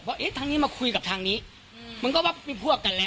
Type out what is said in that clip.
เอ๊ะทางนี้มาคุยกับทางนี้มันก็ว่ามีพวกกันแล้ว